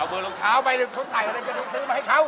เอาเบอร์รองเท้าไปส่งใส่อะไรจะสื้อมาให้เขา